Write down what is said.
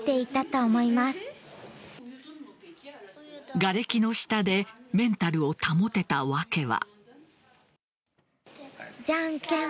がれきの下でメンタルを保てた訳は。